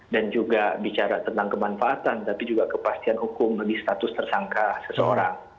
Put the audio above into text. dan juga bicara tentang kemanfaatan tapi juga kepastian hukum lebih status tersangka seseorang